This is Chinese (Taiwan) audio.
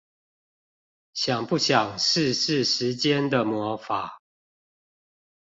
想不想試試時間的魔法